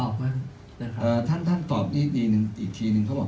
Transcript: ครับท่านตอบอีกทีนึง